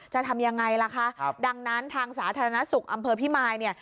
จะทำยังไงล่ะคะครับดังนั้นทางสาธารณสุขอำเภอพิมายเนี่ย